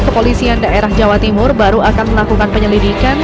kepolisian daerah jawa timur baru akan melakukan penyelidikan